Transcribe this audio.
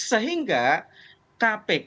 sehingga kpk harus transparan